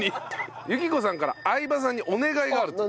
雪子さんから相葉さんにお願いがあると。